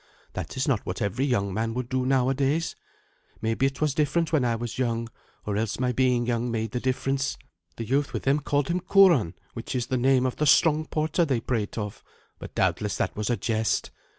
That is not what every young man would do nowadays. Maybe it was different when I was young, or else my being young made the difference. The youth with him called him Curan, which is the name of the strong porter they prate of, but doubtless that was a jest.